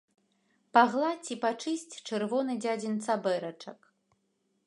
Пагладзь і пачысць чырвоны дзядзін цабэрачак.